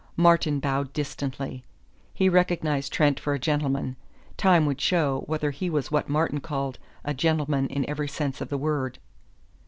Martin bowed distantly. He recognized Trent for a gentleman. Time would show whether he was what Martin called a gentleman in every sense of the word.